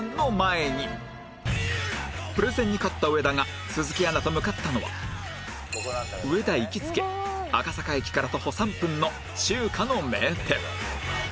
プレゼンに勝った上田が鈴木アナと向かったのは上田行きつけ赤坂駅から徒歩３分の中華の名店